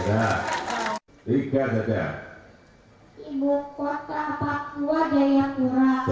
jaya kura betul pakuwa